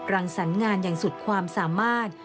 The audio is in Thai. รังสรรค์งานอย่างสุดความสามารถ